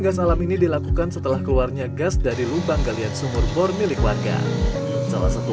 gas alam ini dilakukan setelah keluarnya gas dari lubang galian sumur bor milik warga salah satu